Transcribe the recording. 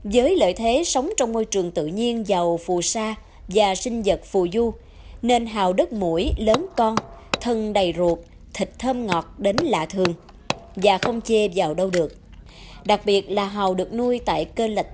với lợi thế sống trong môi trường tự nhiên giàu phù hợp với các dòng sông hào nuôi trong lòng được đặt dưới kênh rạch